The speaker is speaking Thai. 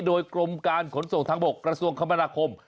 โดยกรมการขนส่งทางบกกระทรวงคมนาคม